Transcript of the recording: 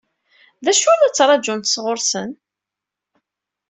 D acu i la ttṛaǧunt sɣur-sen?